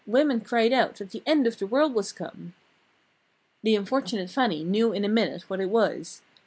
Women cried out that the end of the world was come. The unfortunate Fannie knew in a minute what it was.